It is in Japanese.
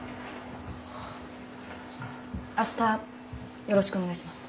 あしたよろしくお願いします。